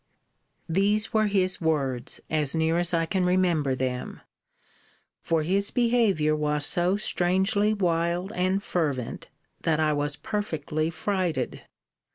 These were his words, as near as I can remember them; for his behaviour was so strangely wild and fervent, that I was perfectly frighted.